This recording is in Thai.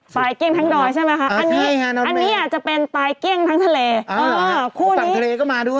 ตายเกลี้ยงทั้งดอยใช่ไหมคะอันนี้อาจจะเป็นตายเกลี้ยงทั้งทะเลคู่นี้อ้าวเขาต่างทะเลก็มาด้วย